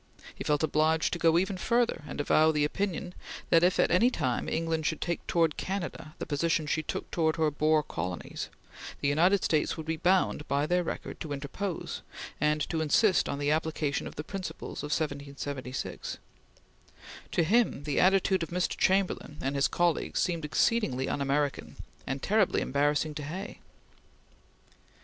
He felt obliged to go even further, and avow the opinion that if at any time England should take towards Canada the position she took towards her Boer colonies, the United States would be bound, by their record, to interpose, and to insist on the application of the principles of 1776. To him the attitude of Mr. Chamberlain and his colleagues seemed exceedingly un American, and terribly embarrassing to Hay.